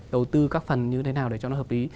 đầu tư các phần như thế nào để cho nó hợp lý